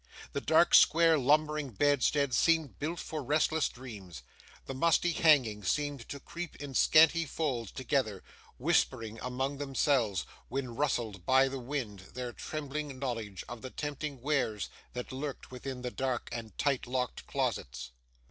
The dark square lumbering bedsteads seemed built for restless dreams; the musty hangings seemed to creep in scanty folds together, whispering among themselves, when rustled by the wind, their trembling knowledge of the tempting wares that lurked within the dark and tight locked closets.